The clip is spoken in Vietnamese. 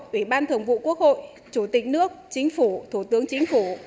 ủy ban thường vụ quốc hội chủ tịch nước chính phủ thủ tướng chính phủ